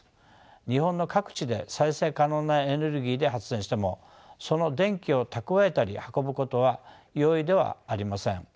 日本の各地で再生可能なエネルギーで発電してもその電気を蓄えたり運ぶことは容易ではありません。